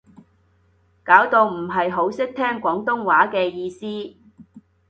搞到唔係好識聽廣東話嘅意思